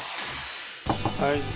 はい。